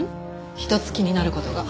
一つ気になる事が。